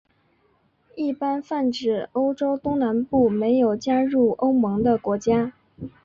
一般泛指欧洲东南部没有加入欧盟的国家。